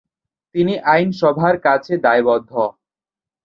তিনি আইনসভার কাছে দায়বদ্ধ।